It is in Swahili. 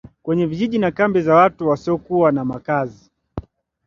kwenye vijiji na kambi za watu wasiokuwa na makazi